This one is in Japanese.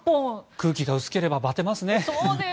空気が薄ければばてますね。